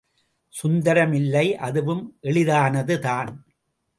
சுந்தரம் இல்லை, அதுவும் எளிதானது தான்.